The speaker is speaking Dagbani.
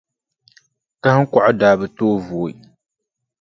Kahiŋkɔɣu daa bi tooi vooi,